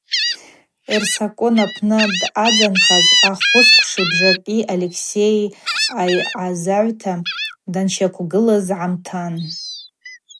Эрсакон апны дъадзанхаз ахвысквши бжакӏи Алексей айъазагӏвта данщаквгылуаз гӏамтан.